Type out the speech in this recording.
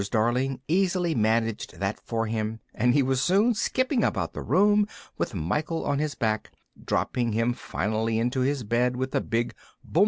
Darling easily managed that for him, and he was soon skipping about the room with Michael on his back, dropping him finally into his bed with a big "bump ah!"